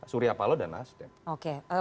surya paloh dan nasdem